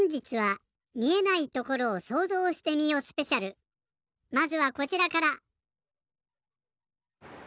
ほんじつはまずはこちらから。